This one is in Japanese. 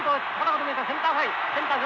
センターフライ。